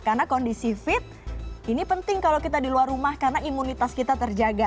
karena kondisi fit ini penting kalau kita di luar rumah karena imunitas kita terjaga